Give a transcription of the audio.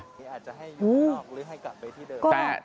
หรืออาจจะให้อยู่ข้างนอกหรือให้กลับไปที่เดิม